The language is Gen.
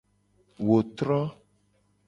Wo tro.